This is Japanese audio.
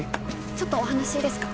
ちょっとお話いいですか？